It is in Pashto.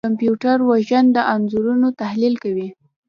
کمپیوټر وژن د انځورونو تحلیل کوي.